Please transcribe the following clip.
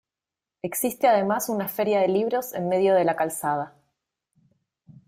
Existe, además, una feria de libros en medio de la calzada.